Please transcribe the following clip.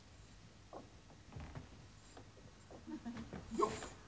よっ。